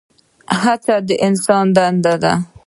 هڅه د انسان دنده ده؟